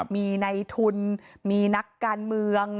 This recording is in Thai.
มีในทุนมีนักการเมือง